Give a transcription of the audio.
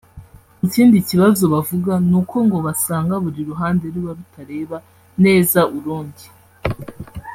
Ikindi kibazo bavuga ni uko ngo basanga buri ruhande ruba rutareba neza urundi